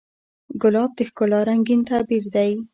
ګلاب د ښکلا رنګین تعبیر دی.